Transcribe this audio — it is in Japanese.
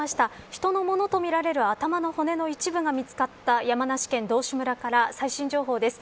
人のものとみられる頭の骨の一部が見つかった山梨県道志村から最新情報です。